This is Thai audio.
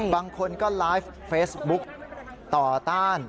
บางคนก็ไลฟ์เฟซบุ๊กต่อต้าน